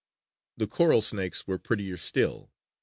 The coral snakes were prettier still.